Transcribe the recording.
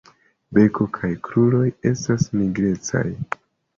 Beko kaj kruroj estas nigrecaj.